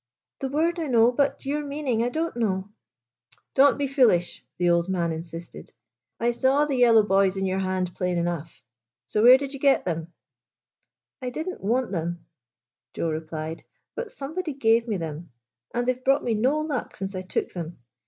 " The word I know, but your meaning I don't know." " Don't be foolish," the old man insisted. " I saw the yellow boys in your hand plain enough. So where did you get them ?"" I did n't want them," Joe replied ;" but somebody gave me them — and they 've brought me no luck since I took them.